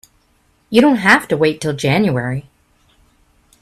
You don't have to wait till January.